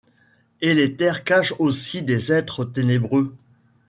Et l’éther cache aussi des êtres ténébreux ;